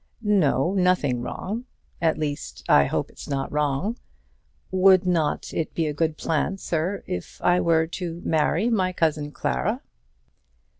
"No, nothing wrong; at least, I hope it's not wrong. Would not it be a good plan, sir, if I were to marry my cousin Clara?"